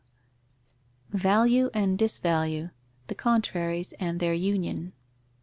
_Value and disvalue: the contraries and their union.